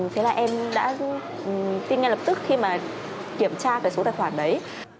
thế là em đã tin ngay lập tức khi mà kiểm tra cái số tài khoản đấy